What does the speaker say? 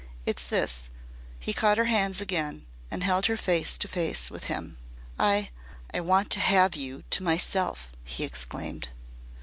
It's this " he caught her hands again and held her face to face with him. "I I want to have you to myself," he exclaimed.